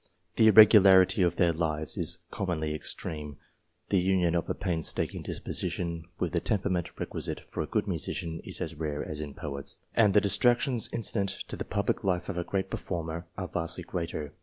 The irre gularity of their lives is commonly extreme ; the union of a painstaking disposition with the temperament requisite for a good musician is as rare as in poets, and the distractions incident to the public life of a great performer are vastly greater.